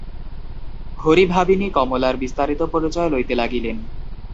হরিভাবিনী কমলার বিস্তারিত পরিচয় লইতে লাগিলেন।